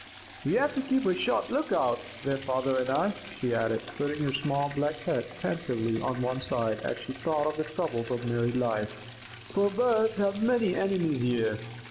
"We had to keep a sharp look out, their father and I," she added, putting her small black head pensively on one side as she thought of the troubles of married life, "for Birds have many enemies here.